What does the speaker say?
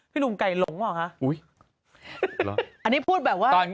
พี่ลุงไก่หลงหรอครับ